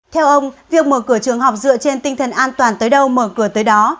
theo ông việc mở cửa trường học dựa trên tinh thần an toàn tới đâu mở cửa tới đó